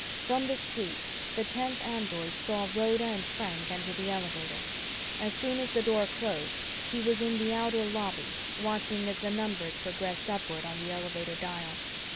From the street, the tenth android saw Rhoda and Frank enter the elevator. As soon as the door closed, he was in the outer lobby, watching as the numbers progressed upward on the elevator dial.